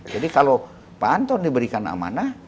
jadi kalau pak anton diberikan amanah